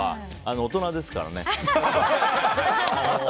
大人ですからね。